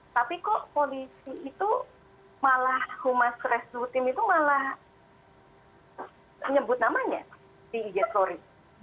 tapi kok polisi itu malah who must rest routine itu malah menyebut namanya si ej flory